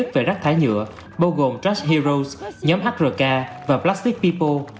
tổ chức về rác thái nhựa bao gồm trash heroes nhóm hrk và plastic people